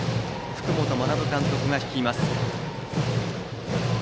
福本学監督が率います。